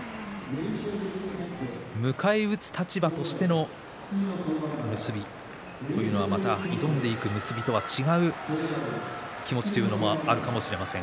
迎え撃つ立場としての結びというのはまた挑んでいく結びとは違う気持ちというのもあるかもしれません。